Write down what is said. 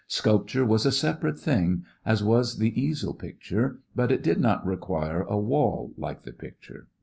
Sculpture was a separate thing, as was the easel picture, but it did not require a wall like the picture.